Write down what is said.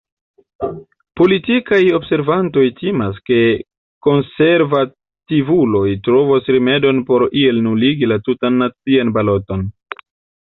Politikaj observantoj timas, ke konservativuloj trovos rimedon por iel nuligi la tutan nacian baloton.